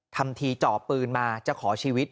ทำทีจ่อปืนมาจะขอชีวิต